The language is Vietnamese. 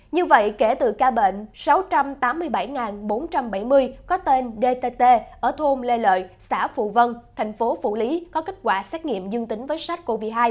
như vậy kể từ ca bệnh sáu trăm tám mươi bảy bốn trăm bảy mươi có tên dtt ở thôn lê lợi xã phù vân thành phố phủ lý có kết quả xét nghiệm dương tính với sars cov hai